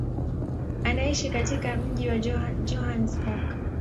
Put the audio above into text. Anaishi katika mji wa Johannesburg.